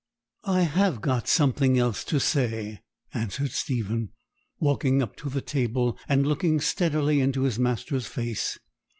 'I have got something else to say,' answered Stephen, walking up to the table and looking steadily into his master's face.